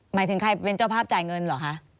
หมายถึงใครเป็นเจ้าภาพจ่ายเงินเหรอคะ